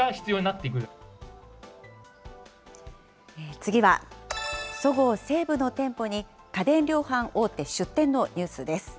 次は、そごう・西武の店舗に、家電量販大手出店のニュースです。